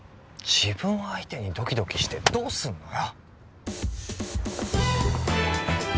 自分相手にドキドキしてどうすんのよ